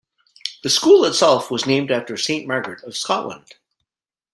The school itself was named after Saint Margaret of Scotland.